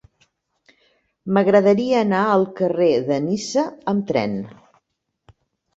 M'agradaria anar al carrer de Niça amb tren.